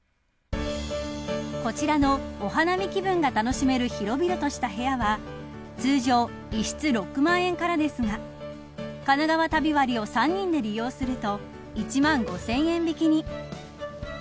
こちらのお花見気分が楽しめる広々とした部屋は通常１室６万円からですがかながわ旅割を３人で利用すると１万５０００円引きに。